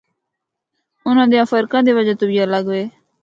انہاں دے فرقاں دی وجہ توں وی الگ وے۔